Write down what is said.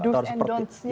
do's and don'ts nya ya